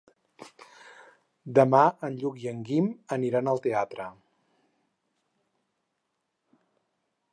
Demà en Lluc i en Guim aniran al teatre.